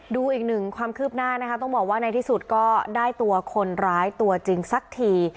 ดูอีกหนึ่งความคืบหน้านะคะต้องบอกว่าในที่สุดก็ได้ตัวคนร้ายตัวจริงสักที